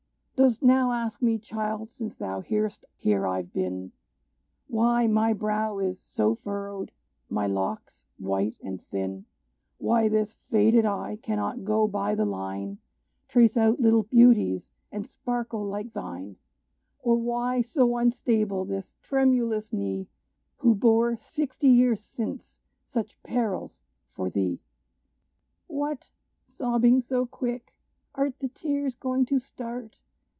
"Dost now ask me, child, since thou hear'st here I've been, Why my brow is so furrowed, my locks white and thin Why this faded eye cannot go by the line, Trace out little beauties, and sparkle like thine; Or why so unstable this tremulous knee, Who bore 'sixty years since,' such perils for thee? "What! sobbing so quick? are the tears going to start?